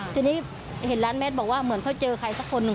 ทีนี้เห็นร้านแมทบอกว่าเหมือนเขาเจอใครสักคนหนึ่ง